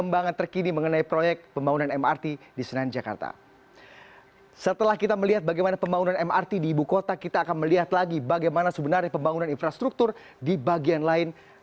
berikut laporannya untuk anda